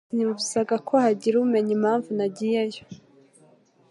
Sinifuzaga ko hagira umenya impamvu nagiyeyo